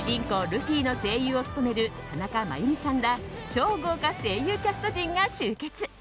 ルフィの声優を務める田中真弓さんら超豪華声優キャスト陣が集結。